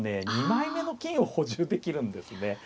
２枚目の金を補充できるんですね。